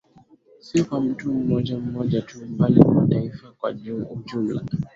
Si kwa mtu mmoja mmoja tu bali kwa Taifa kwa ujumla